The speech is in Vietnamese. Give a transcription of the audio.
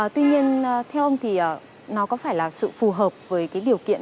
tuy nhiên theo ông thì nó có phải là sự phù hợp với cái điều kiện